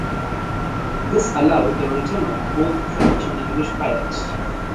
This allowed the return of both French and English pirates.